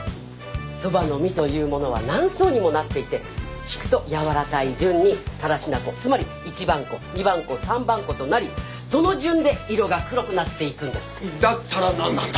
そばの実というものは何層にもなっていてひくとやわらかい順に更科粉つまり１番粉・２番粉・３番粉となりその順で色が黒くなっていくんですだったら何なんだ！